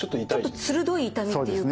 ちょっと鋭い痛みっていうか。